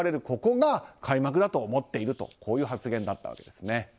ここが開幕だと思っているという発言だったわけです。